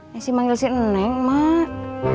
ceci manggil si neng mak